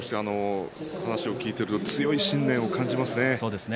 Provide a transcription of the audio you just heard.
話を聞いていると強い信念を感じますね。